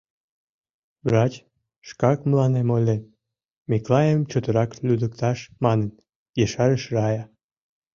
Врач шкак мыланем ойлен, — Миклайым чотырак лӱдыкташ манын, ешарыш Рая.